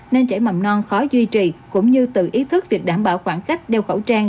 nên trẻ mầm non khó duy trì cũng như tự ý thức việc đảm bảo khoảng cách đeo khẩu trang